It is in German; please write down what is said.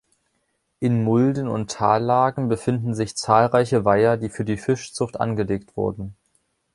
In Mulden- und Tallagen befinden sich zahlreiche Weiher, die für die Fischzucht angelegt wurden.